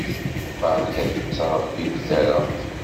Barket ur ttṛabibbet ara.